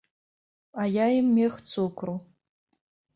А я ім мех цукру.